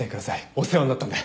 お世話になったんで。